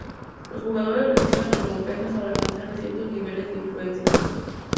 Los jugadores reciben recompensas al alcanzar distintos niveles de influencia.